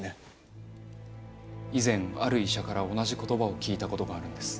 以前ある医者から同じ言葉を聞いたことがあるんです。